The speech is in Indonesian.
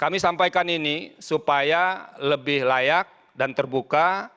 kami sudah memperbaikkan ini supaya lebih layak dan terbuka